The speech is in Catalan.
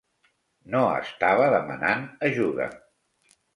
No estava demanant ajuda.